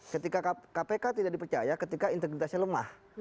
ketika kpk tidak dipercaya ketika integritasnya lemah